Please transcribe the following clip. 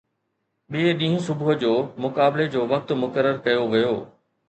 ٻئي ڏينهن صبح جو، مقابلي جو وقت مقرر ڪيو ويو